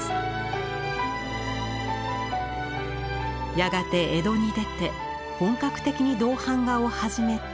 やがて江戸に出て本格的に銅版画を始めた田善。